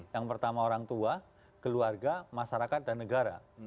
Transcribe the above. yang pertama orang tua keluarga masyarakat dan negara